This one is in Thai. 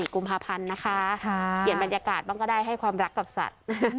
กุมภาพันธ์นะคะเปลี่ยนบรรยากาศบ้างก็ได้ให้ความรักกับสัตว์